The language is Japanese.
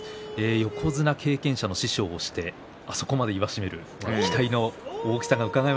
横綱経験者の師匠をしてあそこまで言わしめるそうですね。